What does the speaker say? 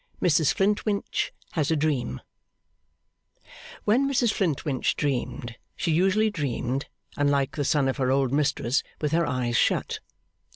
Mrs Flintwinch has a Dream When Mrs Flintwinch dreamed, she usually dreamed, unlike the son of her old mistress, with her eyes shut.